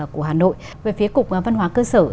của hà nội về phía cục văn hóa cơ sở